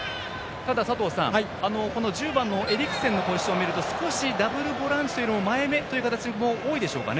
佐藤さん、１０番のエリクセンのポジションを見ると少しダブルボランチも前めということも多いでしょうか。